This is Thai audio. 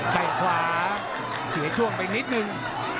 ใจขวาเสียช่วงไปนิดหนึ่ง